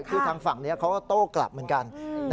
คือทางฝั่งนี้เขาก็โต้กลับเหมือนกัน